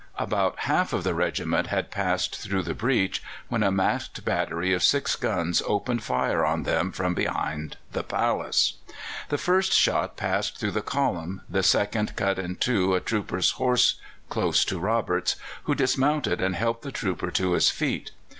About half of the regiment had passed through the breach, when a masked battery of six guns opened fire on them from behind the palace. The first shot passed through the column, the second cut in two a trooper's horse close to Roberts, who dismounted and helped the trooper to his feet.